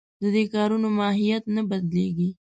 د دې کارونو ماهیت نه بدلېږي.